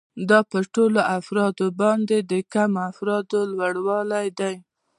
دا په ټولو افرادو باندې د کمو افرادو لوړوالی دی